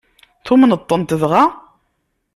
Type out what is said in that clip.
Tumneḍ-tent dɣa?